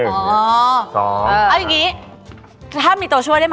เอาอย่างนี้ถ้ามีตัวช่วยได้ไหม